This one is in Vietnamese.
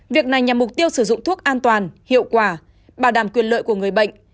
việc này nhằm mục tiêu sử dụng thuốc an toàn hiệu quả bảo đảm quyền lợi của người bệnh